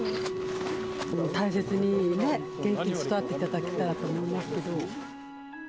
大切にね、元気に育てていただけたらと思いますけど。